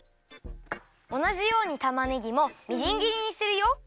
おなじようにたまねぎもみじんぎりにするよ。